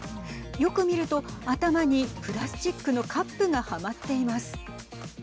よく見ると、頭にプラスチックのカップがはまっています。